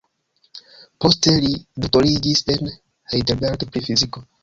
Poste li doktoriĝis en Heidelberg pri fiziko.